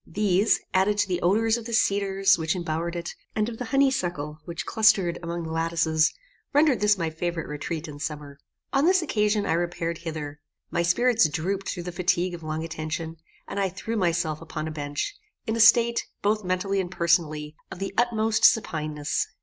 These, added to the odours of the cedars which embowered it, and of the honey suckle which clustered among the lattices, rendered this my favorite retreat in summer. On this occasion I repaired hither. My spirits drooped through the fatigue of long attention, and I threw myself upon a bench, in a state, both mentally and personally, of the utmost supineness.